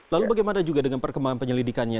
lalu bagaimana juga dengan perkembangan penyelidikannya